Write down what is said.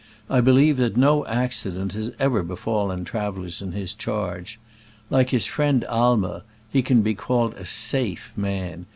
I believe that no accident has ever be fallen travelers in his charge. Like his friend Aimer, he can be called a safe man.